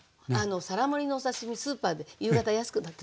皿盛りのお刺身スーパーで夕方安くなってたりしますでしょ。